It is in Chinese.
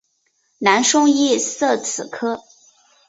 南宋亦设此科。